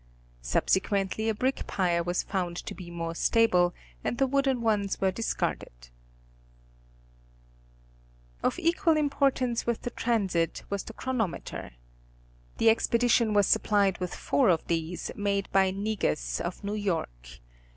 Subsequently a brick pier was found to be more stable and the wooden ones were discarded. 8 National Geographic Magazine. Of equal importance with the transit was the Chronometer. The expedition was supplied with four of these made by Negus of New York.